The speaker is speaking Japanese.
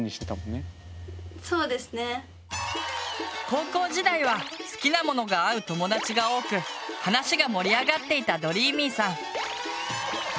高校時代は好きなものが合う友達が多く話が盛り上がっていたどりーみぃさん。